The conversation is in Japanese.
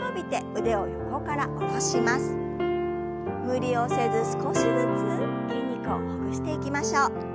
無理をせず少しずつ筋肉をほぐしていきましょう。